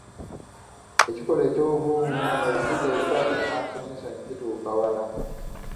Ekikolwa ekyo eky'obuvumu mu bufuzi obutaliimu mansonyinsonyi kyatuuka wala.